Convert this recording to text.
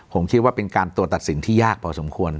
ผมคิดว่าเป็นการตัวตัดสินที่ยากพอสมควร